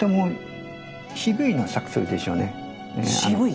渋い？